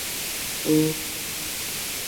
洪武十三年正月罢。